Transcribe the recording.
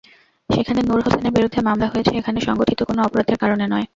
সেখানে নূর হোসেনের বিরুদ্ধে মামলা হয়েছে এখানে সংঘটিত কোনো অপরাধের কারণে নয়।